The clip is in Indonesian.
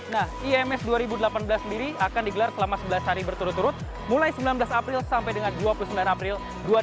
nah ims dua ribu delapan belas sendiri akan digelar selama sebelas hari berturut turut mulai sembilan belas april sampai dengan dua puluh sembilan april dua ribu delapan belas